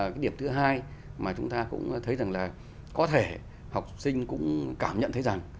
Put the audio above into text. cái điểm thứ hai mà chúng ta cũng thấy rằng là có thể học sinh cũng cảm nhận thấy rằng